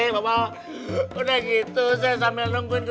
sudah gitu saya sambil menunggu